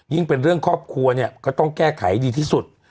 เป็นเรื่องครอบครัวเนี่ยก็ต้องแก้ไขดีที่สุด